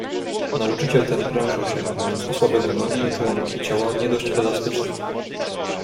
"Nauczyciel ten prężył się, mając osłabione nogi i członki ciała nie dość elastyczne."